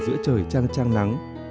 giữa trời trang trang nắng